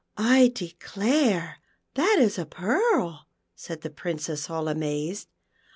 " I declare that is a pearl," said the Princess, all amazed.